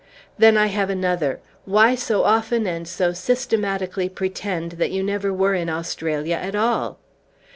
"Then I have another. Why so often and so systematically pretend that you never were in Australia at all?"